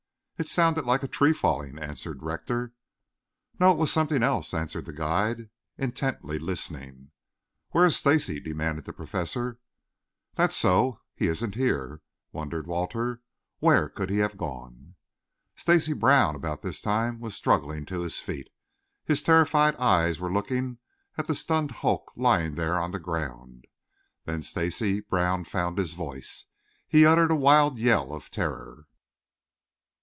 "It sounded like a tree falling," answered Rector. "No, it was something else," answered the guide, intently listening. "Where is Stacy?" demanded the Professor. "That's so, he isn't here," wondered Walter. "Where can he have gone?" Stacy Brown about this time was struggling to his feet. His terrified eyes were looking at the stunned hulk lying there on the ground. Then Stacy Brown found his voice. He uttered a wild yell of terror.